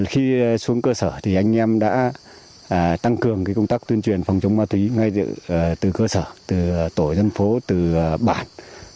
khi xuống cơ sở thì anh em đã tăng cường công tác tuyên truyền phòng chống ma túy ngay từ cơ sở từ tổ dân phố từ bản